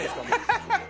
ハハハハ！